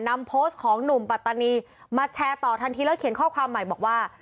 นำโพสต์ของหนุ่มปัตตานีมาแชร์ต่อทันทีแล้วเขียนข้อความใหม่บอกว่า